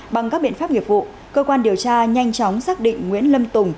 bằng các biện pháp nghiệp vụ cơ quan điều tra nhanh chóng xác định nguyễn lâm tùng